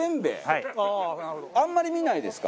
あんまり見ないですか？